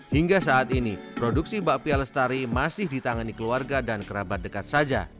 hingga saat ini produksi bakpia lestari masih ditangani keluarga dan kerabat dekat saja